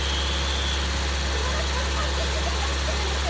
この学校で監禁事件が起きてるんです！